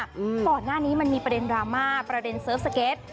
ก่อนหน้านี้มันมีประเด็นดราม่าประเด็นเซิร์ฟสเก็ต